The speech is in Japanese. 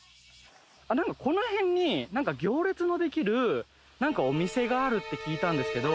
この辺になんか行列のできるお店があるって聞いたんですけど。